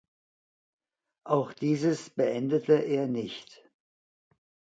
Auch dieses beendete er nicht.